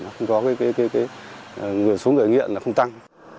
không có số người nghiện không tăng